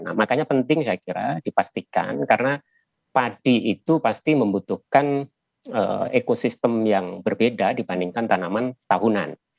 nah makanya penting saya kira dipastikan karena padi itu pasti membutuhkan ekosistem yang berbeda dibandingkan tanaman tahunan